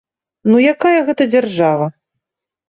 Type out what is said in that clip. Ну якая гэта дзяржава?